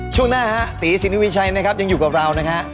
ช่วงหน้าฮะตีสินวีชัยนะครับยังอยู่กับเรานะฮะ